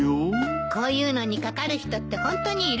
こういうのにかかる人ってホントにいるのかしら。